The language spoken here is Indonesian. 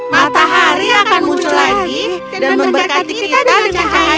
matahari akan muncul lagi dan memberkati kita dengan cahaya